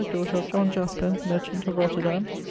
| daughter of John | Jaspar, merchant, | of Roterdam.